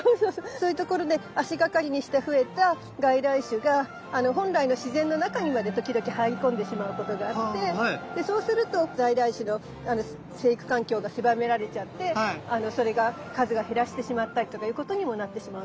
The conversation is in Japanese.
そういう所で足がかりにして増えた外来種が本来の自然の中にまで時々入り込んでしまうことがあってそうすると在来種の生育環境が狭められちゃってそれが数が減らしてしまったりとかいうことにもなってしまうんですね。